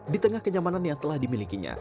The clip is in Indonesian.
di tengah kenyamanan yang telah dimilikinya